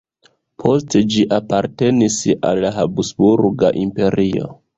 Poste ĝi apartenis al la Habsburga Imperio.